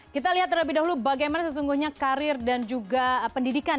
kita lihat terlebih dahulu bagaimana sesungguhnya karir dan juga pendidikan